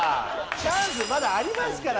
チャンスまだありますから！